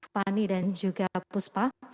fani dan juga puspa